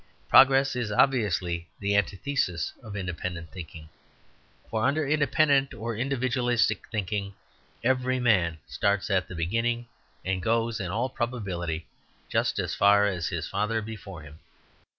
Progress is obviously the antithesis of independent thinking. For under independent or individualistic thinking, every man starts at the beginning, and goes, in all probability, just as far as his father before him.